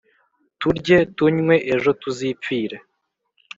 «Turye, tunywe, ejo tuzipfire!»